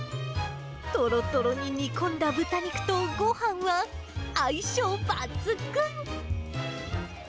とろとろに煮込んだ豚肉とごはんは、相性抜群！